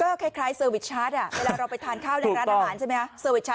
ก็คล้ายเวลาเราไปทานข้าวในร้านอาหารใช่ไหมฮะ